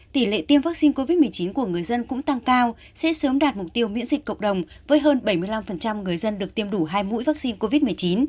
tỷ lệ tiêm vaccine covid một mươi chín của người dân cũng tăng cao sẽ sớm đạt mục tiêu miễn dịch cộng đồng với hơn bảy mươi năm người dân được tiêm đủ hai mũi vaccine covid một mươi chín